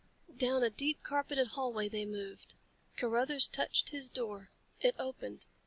Down a deep carpeted hallway they moved. Carruthers touched his door. It opened.